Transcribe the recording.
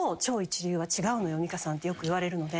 「美香さん」ってよく言われるので。